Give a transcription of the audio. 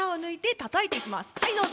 はい、どうぞ。